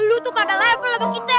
lu tuh pada level apa kita